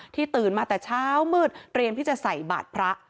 ตื่นมาแต่เช้ามืดเตรียมที่จะใส่บาทพระ